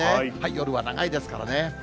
夜は長いですからね。